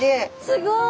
すごい！